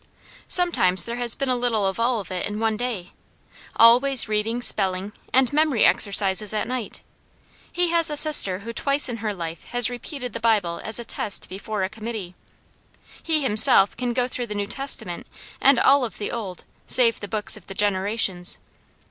Sometimes there has been a little of all of it in one day, always reading, spelling, and memory exercises at night. He has a sister who twice in her life has repeated the Bible as a test before a committee. He, himself, can go through the New Testament and all of the Old save the books of the generations.